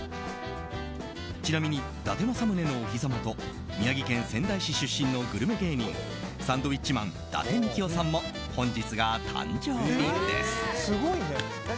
ちなみに、伊達政宗のお膝元宮城県仙台市出身のグルメ芸人サンドウィッチマン伊達みきおさんも本日が誕生日です。